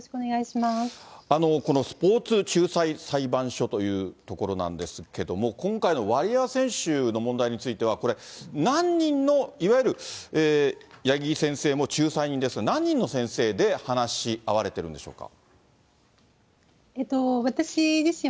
このスポーツ仲裁裁判所というところなんですけども、今回のワリエワ選手の問題については、これ何人のいわゆる八木先生も仲裁人ですが、何人の先生で話し合われているんでしょうか。